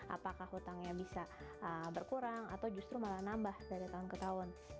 apakah hutangnya bisa berkurang atau justru malah nambah dari tahun ke tahun